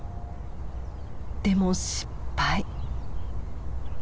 でも失敗！